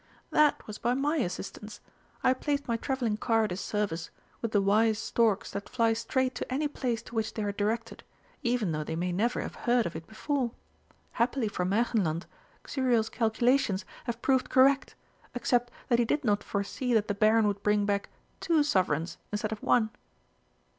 '" "That was by my assistance. I placed my travelling car at his service, with the wise storks that fly straight to any place to which they are directed, even though they may never have heard of it before. Happily for Märchenland, Xuriel's calculations have proved correct, except that he did not foresee that the Baron would bring back two Sovereigns instead of one."